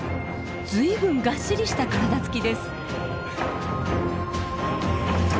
随分がっしりした体つきです。